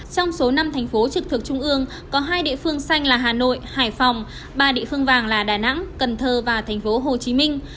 trong số năm thành phố trực thuộc trung ương có hai địa phương xanh là hà nội hải phòng ba địa phương vàng là đà nẵng cần thơ và thành phố hồ chí minh